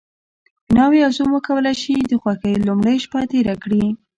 ناوې او زوم وکولی شي د خوښۍ لومړۍ شپه تېره کړي.